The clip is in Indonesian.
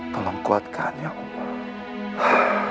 tolong kuatkan ya allah